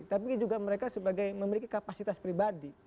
tapi juga mereka sebagai memiliki kapasitas pribadi